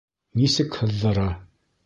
Нисек һыҙҙыра!